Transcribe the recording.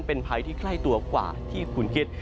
เป็นภัยที่ใกล้ตัวกว่าที่คุณคิด